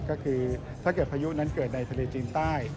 ก็คือถ้าเกิดพายุนั้นเกิดในทะเลจีนใต้